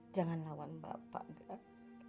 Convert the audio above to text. jangan lawan bapak kak